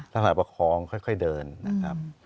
สำหรับประคองค่อยเดินนะครับ